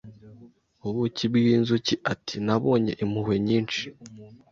Ubuki bwinzuki ati nabonye impuhwe nyinshi